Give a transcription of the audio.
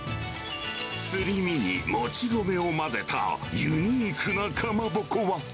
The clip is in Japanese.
すり身にもち米を混ぜたユニークなかまぼこは。